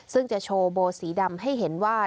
ซึ่งจะโชว์โบสีดำให้เห็นว่า